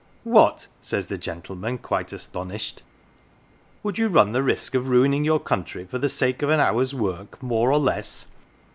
' What !' says the gentleman, quite astonished, ' would you run the risk of ruining your country for the sake of an hour's work more or less